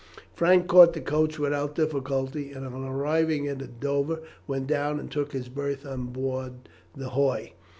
Frank caught the coach without difficulty, and on arriving at Dover went down and took his berth on board the hoy.